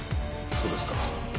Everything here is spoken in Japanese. そうですか。